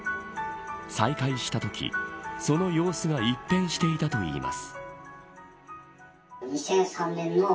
再会したときその様子が一変していたといいます。